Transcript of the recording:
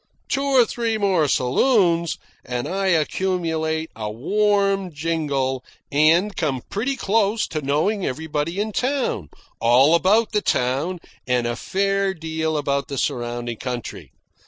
Two or three more saloons, and I accumulate a warm jingle and come pretty close to knowing everybody in town, all about the town, and a fair deal about the surrounding country.